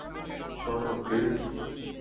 শোনো, ক্রিস।